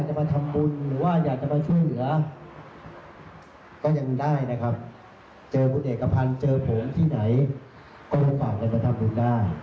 เจอบุจติเอกพันธ์เจอผงที่ไหนก็ฝากกันคอทัมภูมิได้